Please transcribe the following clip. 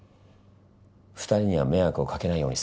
２人には迷惑をかけないようにするから。